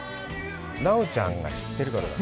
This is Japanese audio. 奈緒ちゃんが知ってるかどうか。